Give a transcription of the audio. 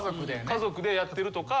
家族でやってるとか。